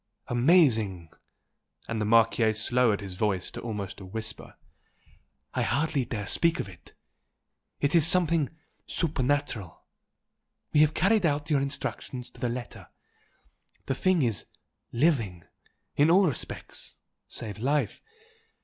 "Amazing!" and the Marchese lowered his voice to almost a whisper "I hardly dare speak of it! it is like something supernatural! We have carried out your instructions to the letter the thing is LIVING, in all respects save life.